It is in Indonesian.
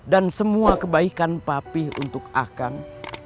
semua kebaikan papih untuk akang